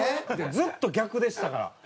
ずっと逆でしたから。